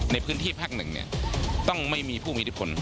ในพื้นที่ภาคหนึ่งต้องไม่มีผู้มีอิทธิพล